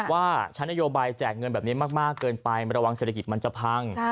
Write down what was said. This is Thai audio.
ว่าชั้นนโยบายแจกเงินแบบนี้มากเกินไประวังเศรษฐกิจมันจะพัง